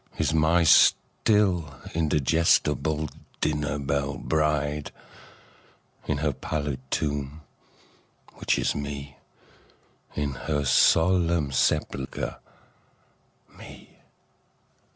Is n^y still indigestible dinner belle bride, In her pallid tomb, which is Me, In her solemn sepulcher, Me.